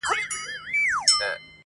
زه چي غرغړې ته ورختلم اسمان څه ویل؛